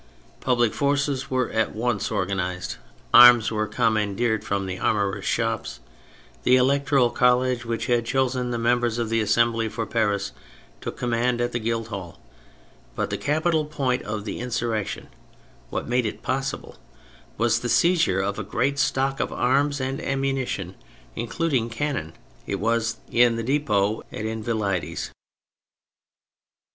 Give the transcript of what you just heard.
Public forces were at once organised, arms were commandeered from the armourers' shops, the Electoral College, which had chosen the members of the Assembly for Paris, took command at the Guild Hall, but the capital point of the insurrection — what made it possible — was the seizure of a great stock of arms and ammunition, including cannon, in the depot at the Invalides.